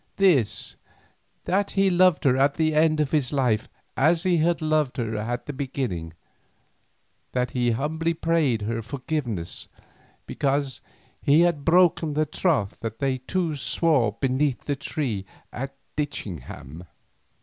"This: that he loved her at the end of his life as he had loved her at its beginning; that he humbly prayed her forgiveness because he had broken the troth which they two swore beneath the beech at Ditchingham."